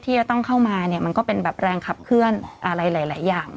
ที่จะต้องเข้ามาเนี่ยมันก็เป็นแบบแรงขับเคลื่อนอะไรหลายอย่าง